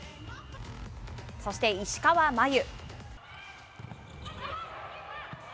そして石川真佑。